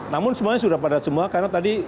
namun semuanya sudah padat semua karena tadi